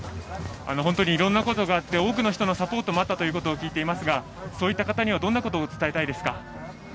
いろんなことがあって多くの人のサポートがあったとも聞いていますがそういった方にはどんなことを伝えたいですか。